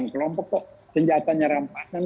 kelompok kok senjatanya rampasan